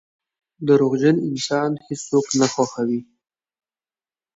• دروغجن انسان هیڅوک نه خوښوي.